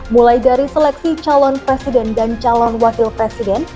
mulai dari seleksi calon presiden dan calon wakil presiden